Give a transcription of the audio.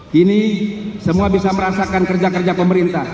kini semua bisa merasakan kerja kerja pemerintah